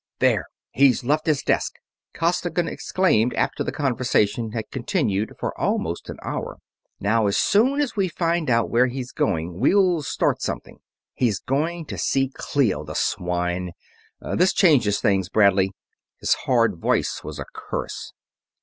"There, he's left his desk!" Costigan exclaimed after the conversation had continued for almost an hour. "Now as soon as we find out where he's going, we'll start something ... he's going to see Clio, the swine! This changes things, Bradley!" His hard voice was a curse.